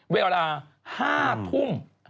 เวลา๕ทุ่ม